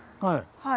はい。